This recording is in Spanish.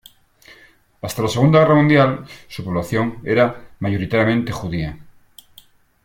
Hasta la Segunda Guerra Mundial, su población era mayoritariamente judía.